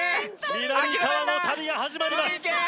みなみかわの旅が始まります